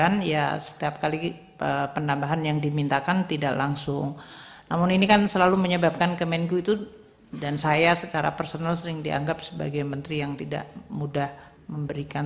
namun ini kan selalu menyebabkan kemenku itu dan saya secara personal sering dianggap sebagai menteri yang tidak mudah memberikan